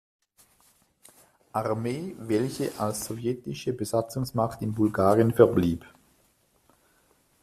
Armee, welche als sowjetische Besatzungsmacht in Bulgarien verblieb.